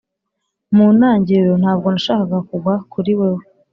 mu ntangiriro, ntabwo nashakaga kugwa kuri wewe